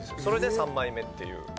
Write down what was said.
それで三枚目っていう。